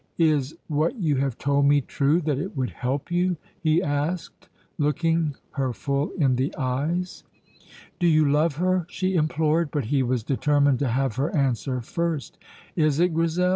"Is what you have told me true, that it would help you?" he asked, looking her full in the eyes. "Do you love her?" she implored, but he was determined to have her answer first. "Is it, Grizel?"